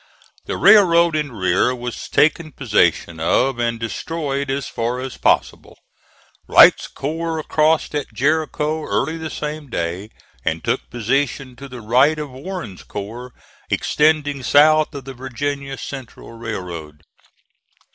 The railroad in rear was taken possession of and destroyed as far as possible. Wright's corps crossed at Jericho early the same day, and took position to the right of Warren's corps, extending south of the Virginia Central Railroad.